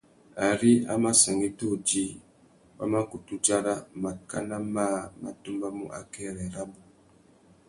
Ari a mà sangüetta udjï, wa mà kutu dzara màkánà mâā má tumbamú akêrê rabú.